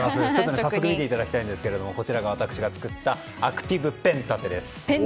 早速見ていただきたいんですがこちらが私が作ったアクティブペン立てです。